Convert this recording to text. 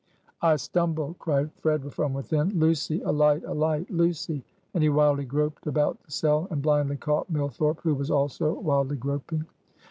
"I stumble!" cried Fred, from within; "Lucy! A light! a light! Lucy!" And he wildly groped about the cell, and blindly caught Millthorpe, who was also wildly groping.